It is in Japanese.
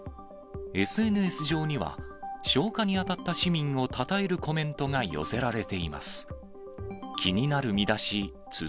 ＳＮＳ上には、消火に当たった市民をたたえるコメントが寄せられています。